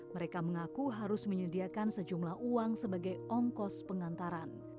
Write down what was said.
mereka mengaku harus menyediakan sejumlah uang sebagai ongkos pengantaran